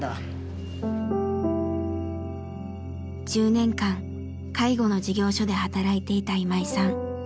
１０年間介護の事業所で働いていた今井さん。